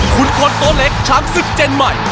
คุณคนโตเล็กช้างศึกเจนใหม่